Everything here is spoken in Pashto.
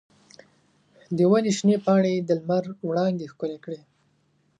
د ونې شنې پاڼې د لمر وړانګې ښکلې کړې.